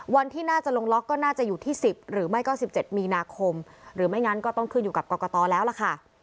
วันที่น่าจะลงล็อกก็น่าจะอยู่ที่๑๐หรือไม่ก็๑๗มีนาคมหรือไม่งั้นก็ต้องขึ้นอยู่กับกรกตแล้วล่ะค่ะ